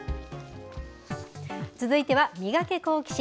続いてはミガケ、好奇心！